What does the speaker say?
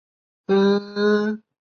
广泛存在于植物和动物组织中。